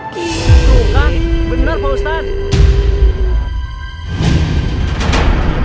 saya lagi tuhan benar pak ustadz